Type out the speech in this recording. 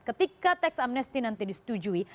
ketika teks amnesty nanti disetujui